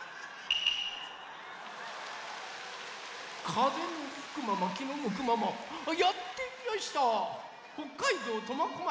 かぜのふくままきのむくままやってきやした北海道苫小牧のわんだー